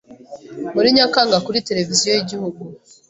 muri Nyakanga kuri televiziyo y’igihugu,